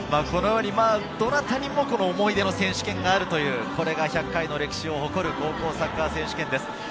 このように、どなたにも思い出の選手権があるという、これが１００回の歴史を誇る高校サッカー選手権です。